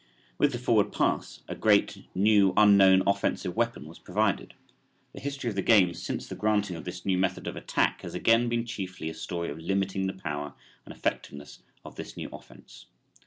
With the forward pass a great, new, unknown offensive weapon was provided. The history of the game since the granting of this new method of attack has again been chiefly a story of limiting the power and effectiveness of this new offense.